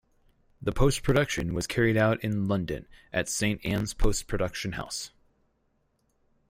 The post production was carried out in London at Saint Anne's post production house.